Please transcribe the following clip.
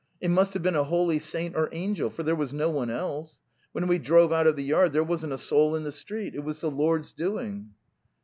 It must have been a holy saint or angel, for there was no one else. ... When we drove out of the yard there wasn't a soul in the street. ... It was the Lord's doing."